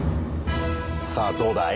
さあどうだい？